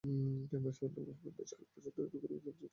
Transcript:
Camera সহজলভ্য হওয়ায় বেশ কয়েক বছর ধরে ধুঁকে ধুঁকে চলছিল স্টুডিওটি।